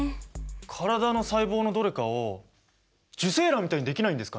体の細胞のどれかを受精卵みたいにできないんですかね？